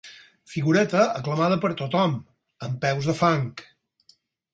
Figureta aclamada per tothom, amb peus de fang.